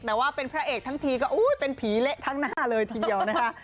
แต่ว่าเป็นพระเอกทั้งทีก็เป็นผีเละทั้งหน้าเลยทีเดียวนะคะ